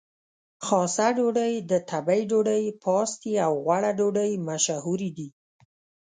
خاصه ډوډۍ، د تبۍ ډوډۍ، پاستي او غوړه ډوډۍ مشهورې دي.